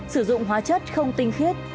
sử dụng hóa chất không tinh khiết